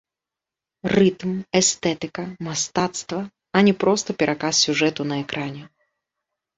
Рытм, эстэтыка, мастацтва, а не проста пераказ сюжэту на экране.